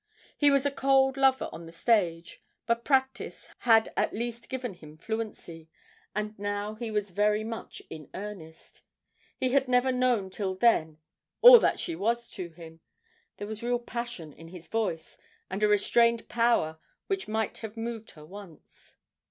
He was a cold lover on the stage, but practice had at least given him fluency, and now he was very much in earnest he had never known till then all that she was to him: there was real passion in his voice, and a restrained power which might have moved her once.